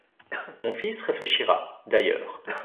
Mon fils réfléchira, d’ailleurs.